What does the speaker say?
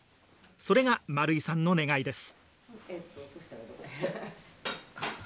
それが圓井さんの願いです。